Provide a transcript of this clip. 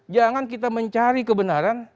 jangan kita mencari kebenaran